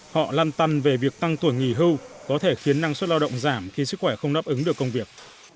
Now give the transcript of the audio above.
họ lăn tăn về việc tăng tuổi nghỉ hưu có thể khiến năng suất lao động giảm khi sức khỏe không đáp ứng được công việc